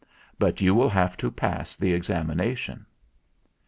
But you will have to pass the examination."